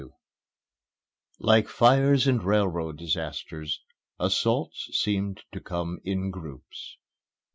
XXII Like fires and railroad disasters, assaults seemed to come in groups.